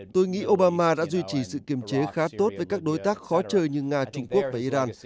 tôi nghĩ obama đã duy trì sự kiềm chế khá tốt với các đối tác khó chơi như nga trung quốc và iran